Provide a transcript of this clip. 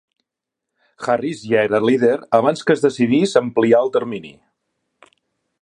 Harris ja era líder abans que es decidís ampliar el termini.